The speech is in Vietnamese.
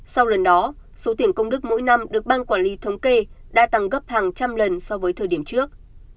sau lần đó số tiền công đức mỗi năm được ban quản lý thống kê đã tăng gấp hàng trăm lần so với thời điểm trước